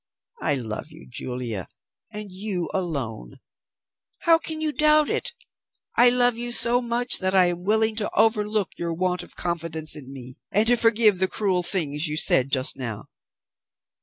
I love you, Julia, and you alone. How can you doubt it? I love you so much that I am willing to overlook your want of confidence in me, and to forgive the cruel things you said just now.